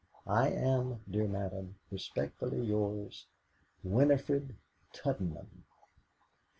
"'I am, dear madam, "'Respectfully yours, "'WINIFRED TUDDENHAM.